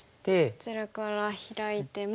こちらからヒラいても。